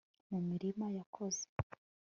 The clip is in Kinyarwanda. Mu murima yakoze